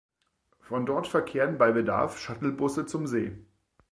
Von dort verkehren bei Bedarf Shuttlebusse zum See.